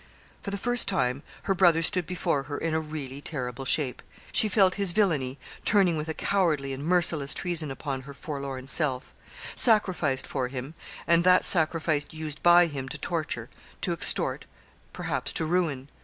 For the first time her brother stood before her in a really terrible shape; she felt his villainy turning with a cowardly and merciless treason upon her forlorn self. Sacrificed for him, and that sacrifice used by him to torture, to extort, perhaps to ruin.